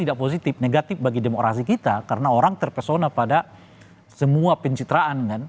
tidak positif negatif bagi demokrasi kita karena orang terpesona pada semua pencitraan kan